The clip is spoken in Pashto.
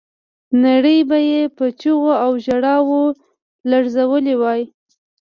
نړۍ به یې په چیغو او ژړاو لړزولې وای.